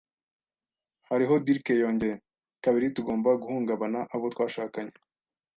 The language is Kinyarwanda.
Hariho Dirk yongeye. ” “Kabiri! Tugomba guhungabana, abo twashakanye. ”